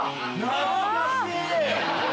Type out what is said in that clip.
懐かしい！